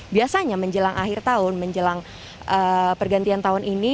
biasanya menjelang akhir tahun menjelang pergantian tahun ini